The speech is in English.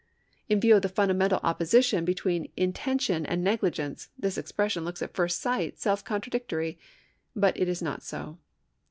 In view of the fundamental opposition between intention and negli gence, this expression looks at first sight self contradictory, but it is not so.